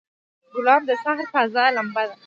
ګلاب د سحر تازه لمبه ده.